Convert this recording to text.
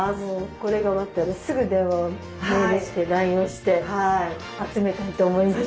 これが終わったらすぐ電話をメールしてラインをして集めたいと思います。